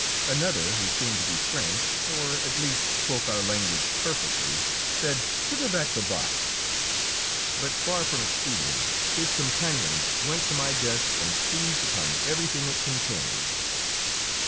Another, who seemed to be French, or at least spoke our language perfectly, said, "Give her back the box"; but far from acceding, his companions went to my desk and seized upon everything it contained.